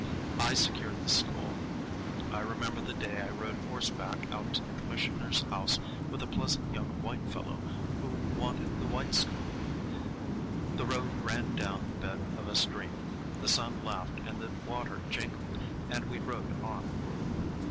I secured the school. I remember the day I rode horseback out to the commissioner's house with a pleasant young white fellow who wanted the white school. The road ran down the bed of a stream; the sun laughed and the water jingled, and we rode on.